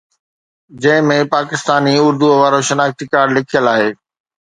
جنهن ۾ پاڪستاني اردوءَ وارو شناختي ڪارڊ لکيل آهي